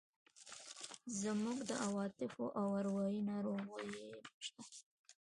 زموږ د عواطفو او اروایي ناروغۍ شته.